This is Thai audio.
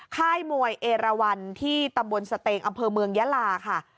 ค่ายมวยเอรวรที่ตะบวนเสตงอำเภอะเมืองยาราค่ะ